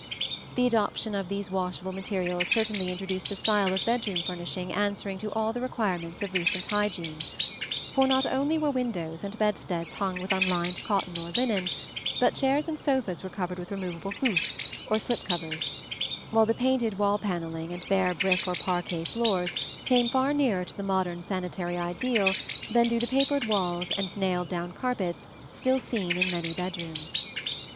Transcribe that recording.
The adoption of these washable materials certainly introduced a style of bedroom furnishing answering to all the requirements of recent hygiene; for not only were windows and bedsteads hung with unlined cotton or linen, but chairs and sofas were covered with removable housses, or slip covers; while the painted wall panelling and bare brick or parquet floors came far nearer to the modern sanitary ideal than do the papered walls and nailed down carpets still seen in many bedrooms.